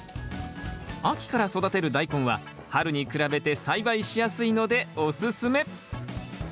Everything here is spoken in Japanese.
秋から育てるダイコンは春に比べて栽培しやすいのでおすすめ。